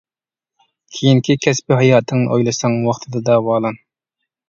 كېيىنىكى كەسپى ھاياتىڭنى ئويلىساڭ، ۋاقتىدا داۋالان.